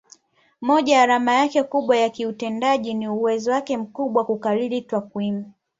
Moja ya alama yake kubwa ya kiutendaji ni uwezo wake mkubwa wa kukariri takwimu